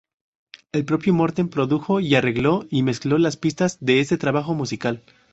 El propio Morten produjo, arregló y mezcló las pistas de este trabajo musical.